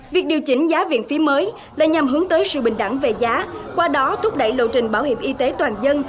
việc điều chỉnh giá viện phí mới là nhằm hướng tới sự bình đẳng về giá qua đó thúc đẩy lộ trình bảo hiểm y tế toàn dân